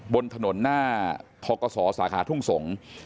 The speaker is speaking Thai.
บนถนนหน้าพสสทุ่งสงฯ